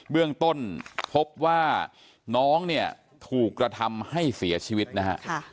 เบื้องต้นพบว่าน้องเนี่ยถูกกระทำให้เสียชีวิตนะฮะ